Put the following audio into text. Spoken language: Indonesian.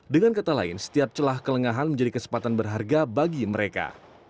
dengan kata lain setiap celah kelengahan menjadi kesempatan berharga bagi mereka